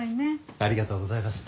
ありがとうございます。